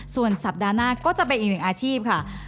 ส่วนสัปดาห์หน้าก็จะเป็นอีกหนึ่งอาชีพค่ะ